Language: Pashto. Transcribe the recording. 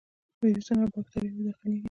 ویروسونه او باکتریاوې داخليږي.